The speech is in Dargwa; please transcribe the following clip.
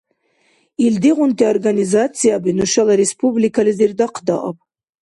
Илдигъунти организацияби нушала республикализир дахъдааб!